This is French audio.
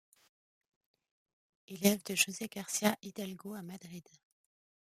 Élève de José Garcĺa Hidalgo à Madrid.